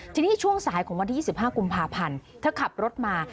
ทีนี้ช่วงสายของวันที่๒๕กุมภาพันธ์เธอขับรถมา